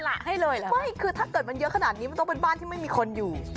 ไม่คือถ้าเกิดมันเยอะขนาดนี้มันต้องเป็นบ้านที่ไม่มีคนอยู่